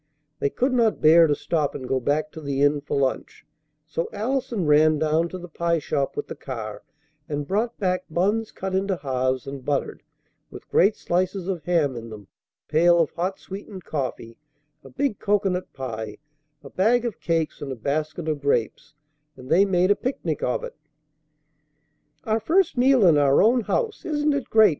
They could not bear to stop and go back to the inn for lunch; so Allison ran down to the pie shop with the car, and brought back buns cut into halves and buttered, with great slices of ham in them, a pail of hot sweetened coffee, a big cocoanut pie, a bag of cakes and a basket of grapes; and they made a picnic of it. "Our first meal in our own house! Isn't it great?"